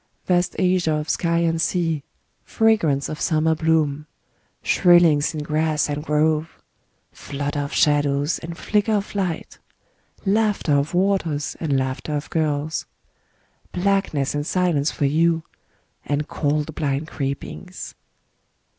... Vast azure of sky and sea, — fragrance of summer bloom, — shrillings in grass and grove, — flutter of shadows and flicker of light, — laughter of waters and laughter of girls. Blackness and silence for you, — and cold blind creepings."